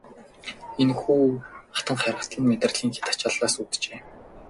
Энэхүү хатанхайрал нь мэдрэлийн хэт ачааллаас үүджээ.